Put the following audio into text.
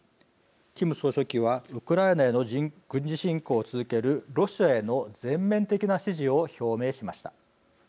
キム総書記はウクライナへの軍事侵攻を続けるロシアへの全面的な支持を表明しました。